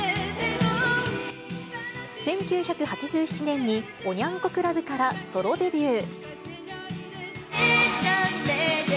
１９８７年におニャン子クラブからソロデビュー。